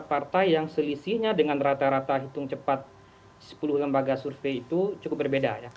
partai yang selisihnya dengan rata rata hitung cepat sepuluh lembaga survei itu cukup berbeda